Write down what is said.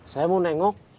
saya mau nengok